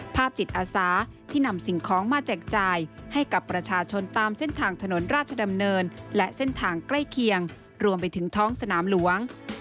จิตอาสาที่นำสิ่งของมาแจกจ่ายให้กับประชาชนตามเส้นทางถนนราชดำเนินและเส้นทางใกล้เคียงรวมไปถึงท้องสนามหลวง